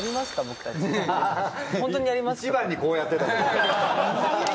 一番にこうやってた。